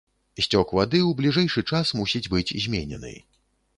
Сцёк вады ў бліжэйшы час мусіць быць зменены.